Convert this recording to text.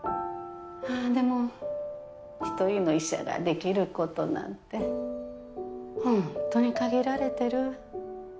でも一人の医者ができることなんてホントに限られてる。